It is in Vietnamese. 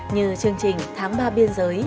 như chương trình tháng ba biên giới